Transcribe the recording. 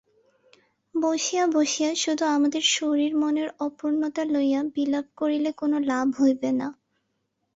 বসিয়া বসিয়া শুধু আমাদের শরীর-মনের অপূর্ণতা লইয়া বিলাপ করিলে কোন লাভ হইবে না।